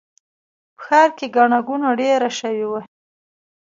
په ښار کې ګڼه ګوڼه ډېره شوې وه.